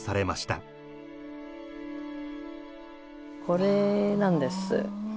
これなんです。